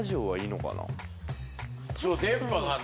そう電波がね。